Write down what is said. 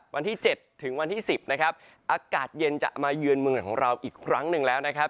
วันที่๗ถึงวันที่๑๐นะครับอากาศเย็นจะมาเยือนเมืองของเราอีกครั้งหนึ่งแล้วนะครับ